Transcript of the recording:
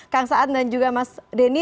kang saan dan juga mas denny